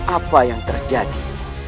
apa yang terjadi